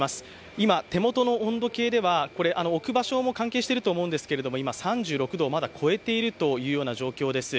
今、手元の温度計では、これは置く場所も関係していると思うんですけど、３６度を超えた状態です。